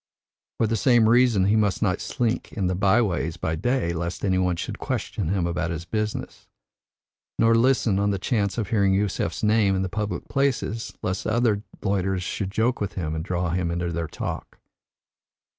For the same reason he must not slink in the by ways by day lest any should question him about his business; nor listen on the chance of hearing Yusef's name in the public places lest other loiterers should joke with him and draw him into their talk.